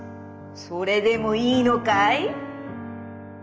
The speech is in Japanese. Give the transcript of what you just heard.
それでもいいのかい？」。